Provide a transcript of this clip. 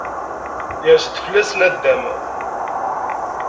Yers-d fella-s naddam.